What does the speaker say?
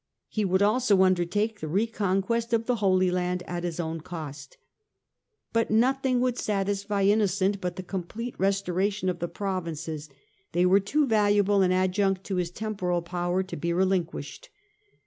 He would also undertake the reconquest of the Holy Land at his own cost. But nothing would satisfy Innocent but the complete restoration of the provinces : they were too valuable an adjunct to his temporal power to be relinquished.